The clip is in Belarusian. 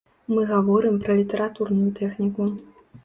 Мы гаворым пра літаратурную тэхніку.